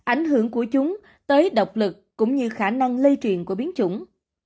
ảnh hưởng của chúng tới độc lực cũng như khả năng lây truyền của biến chủng